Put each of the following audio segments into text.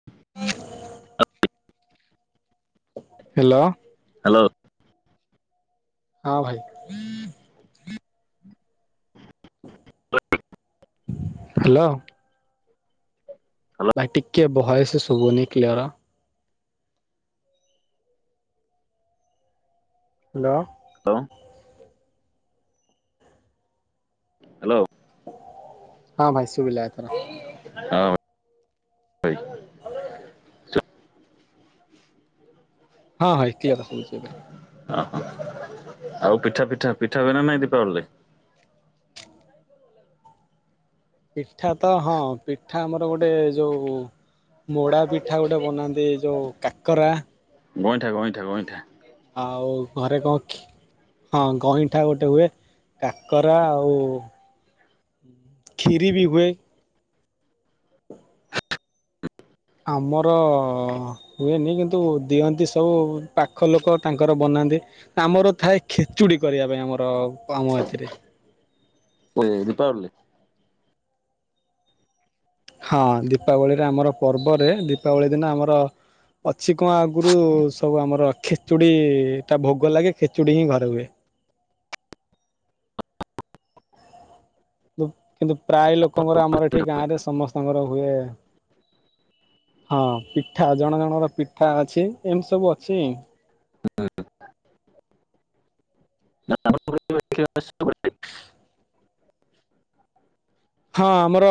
[unintelligible] Hello. Hello. ହଁ ଭାଇ। [unintelligible] Hello. Hello ଭଇ ଟିକେ ଭଏସେ ସୁବୁନି କ୍ଲିଅର। ହାଲୋ। [inaudible] ହାଲୋ। ହଁ ଭାଇ ଶୁବିିଲା ଏଥର। ହଁ [unintelligible] ଭାଇ ହଁ ଭାଇ କ୍ଲିଅର ଶୁଭୁଚି ଏବେ। [unintelligible] ଆଉ ପିଠା-ପିଠା-ପିଠା ହୁଏ ନା ନାଇଁ ଦୀପାବଳୀ ରେ? ପିଠା ତ ହଁ ପିଠା ଆମର ଗୋଟେ ଯୋଉ ମୋଡ଼ା ପିଠା ଗୋଟେ ବନାନ୍ତି ଏଇ ଯୋଉ କାକରା। ଗଇଁଠା-ଗଇଁଠା-ଗଇଁଠା। ଆଉ ଘରେ କଣ ଖି ହଁ ଗଇଁଠା ଗୋଟେ ହୁଏ, କାକରା ଆଉ ଖୀରି ବି ହୁଏ। ଆମର ହୁଏନି କିନ୍ତୁ ଦିଅନ୍ତି ସବୁ ପାଖ ଲୋକ ତାଙ୍କର ବନାନ୍ତି। ଆମର ଥାଏ ଖେଚୁଡି କରିବା ପାଇଁ ଆମର ଆମ ଏଥିରେ। [unintelligible] ଦୀପାବଳୀ ରେ? ହଁ ଦୀପାବଳୀରେ ଆମର ପର୍ବରେ ଦୀପାବଳୀ ଦିନ ଆମର ଅଛି କଣ ଆଗୁରୁ ସବୁ ଆମର ଖେଚୁଡ଼ିଟା ଭୋଗ ଲାଗେ, ଖେଚୁଡ଼ି ହିଁ ଘରେ ହୁଏ। କିନ୍ତୁ-କିନ୍ତୁ ପ୍ରାୟ ଲୋକଙ୍କର ଆମର ଏଠି ଗାଁ ରେ ସମସ୍ତଙ୍କର ହୁଏ। ହଁ ପିଠା ଜଣ ଜଣଙ୍କର ପିଠା ଅଛି, ଏମ୍ତି ସବୁ ଅଛି। [inaudible] ହଁ ଆମର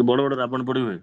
ଯୋଉ ବଡ-ବଡ ରାବଣ ପୋଡି ହୁଏ।